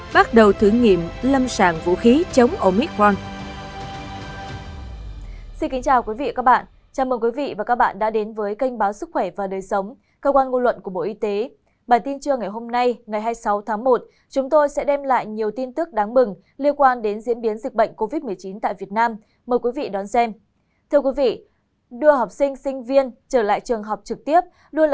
pfizer biontech bắt đầu thử nghiệm lâm sàng vũ khí chống omicron